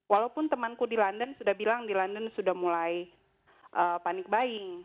walaupun temanku di london sudah bilang di london sudah mulai panik buying